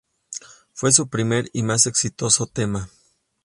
Fue su primer y más exitoso tema.